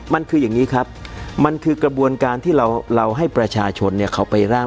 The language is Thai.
มันคืออย่างนี้ครับมันคือกระบวนการที่เราให้ประชาชนเนี่ยเขาไปร่าง